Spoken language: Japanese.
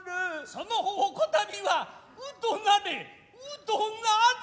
その方こたびは鵜となれ鵜となれ。